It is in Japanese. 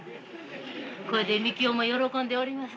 これで幹夫も喜んでおります